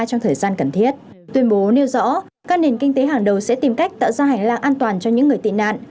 trong thời gian cần thiết tuyên bố nêu rõ các nền kinh tế hàng đầu sẽ tìm cách tạo ra hành lang an toàn cho những người tị nạn